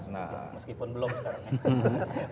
meskipun belum sekarang